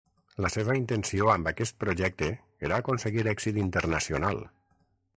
La seva intenció amb aquest projecte era aconseguir èxit internacional.